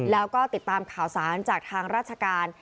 แล้วก็ติดตามข่าวสารจากทางราชการ